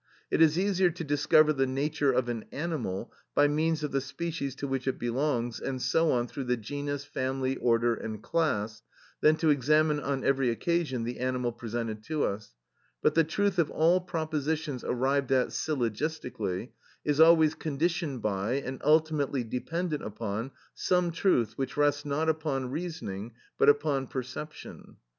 It is easier to discover the nature of an animal, by means of the species to which it belongs, and so on through the genus, family, order, and class, than to examine on every occasion the animal presented to us: but the truth of all propositions arrived at syllogistically is always conditioned by and ultimately dependent upon some truth which rests not upon reasoning but upon perception.